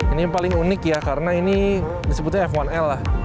ini yang paling unik ya karena ini disebutnya f satu l lah